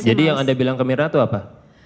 jadi yang anda bilang ke mirna itu apa